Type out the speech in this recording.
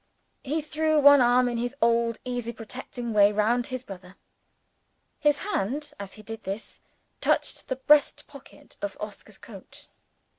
He threw one arm in his old easy protecting way round his brother. His hand, as he did this, touched the breast pocket of Oscar's coat.